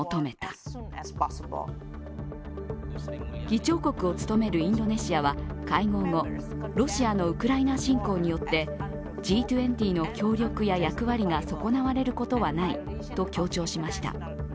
議長国を務めるインドネシアは会合後、ロシアのウクライナ侵攻によってＧ２０の協力や役割が損なわれることはないと強調しました。